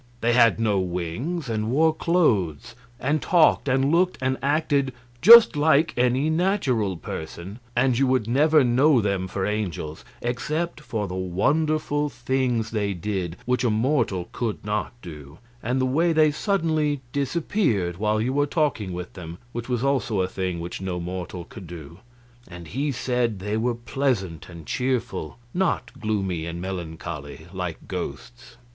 They had no wings, and wore clothes, and talked and looked and acted just like any natural person, and you would never know them for angels except for the wonderful things they did which a mortal could not do, and the way they suddenly disappeared while you were talking with them, which was also a thing which no mortal could do. And he said they were pleasant and cheerful, not gloomy and melancholy, like ghosts.